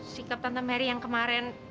si kapten mary yang kemarin